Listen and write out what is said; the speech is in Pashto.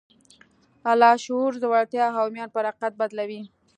لاشعور زړورتيا او ايمان پر حقيقت بدلوي.